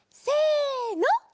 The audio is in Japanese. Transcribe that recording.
せの。